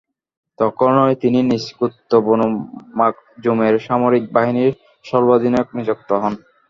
তখনই তিনি নিজ গোত্র বনু মাখযুমের সামরিক বাহিনীর সর্বাধিনায়ক নিযুক্ত হন।